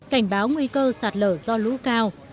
cảnh báo nguy cơ sạt lở do lũ cao